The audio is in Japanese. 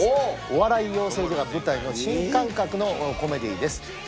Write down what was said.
お笑い養成所が舞台の新感覚のコメディーです。